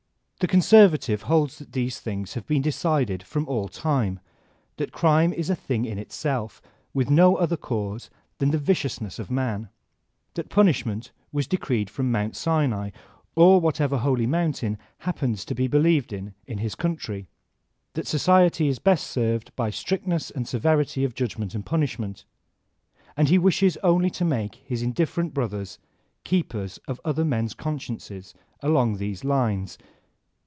The conservative holds that these things have been decided from all time ; that crime is a thing in itself , with no other cause than the viciousness of man ; that punish ment was decreed from Mt. Sinai, or whatever holy mountain happens to be believed in in his country ; that society is best served by strictness and severity of judg ment and punishment. And he wishes only to make his indifferent brothers keepers of other men's consciences along these lines.